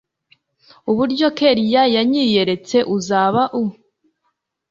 uburyo kellia yanyiyeretse uzaba u